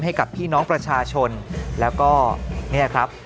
ให้กับพี่น้องประชาชนแล้วก็เนี่ยครับ